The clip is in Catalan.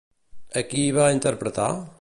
A qui hi va interpretar?